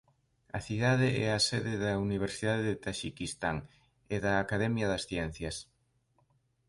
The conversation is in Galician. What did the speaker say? A cidade é a sede da Universidade de Taxiquistán e da Academia das Ciencias.